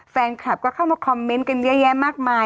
แฟนคลับก็เข้ามาคอมเมนต์กันเยอะแยะมากมาย